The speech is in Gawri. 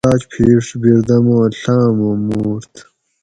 لالاۤچ پھیڛ بِردمُو ڷامُو مُورت